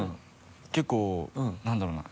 結構何だろうな？